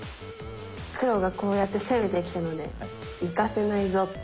黒がこうやって攻めてきたので行かせないぞって。